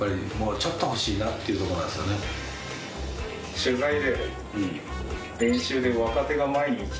取材で。